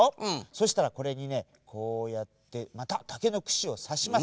そしたらこれにねこうやってまたたけのくしをさします。